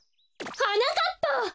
はなかっぱ！